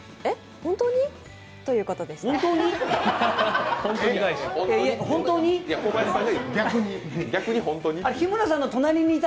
本当に？ということでした。